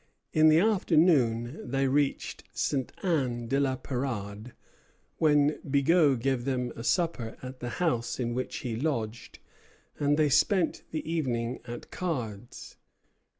In the afternoon they reached Ste. Anne de la Pérade, when Bigot gave them a supper at the house in which he lodged, and they spent the evening at cards.